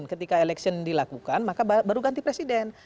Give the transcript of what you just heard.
ketika election dilakukan maka baru ganti presiden